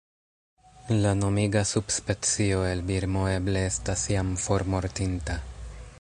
La nomiga subspecio el Birmo eble estas jam formortinta.